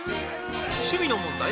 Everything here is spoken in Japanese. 趣味の問題？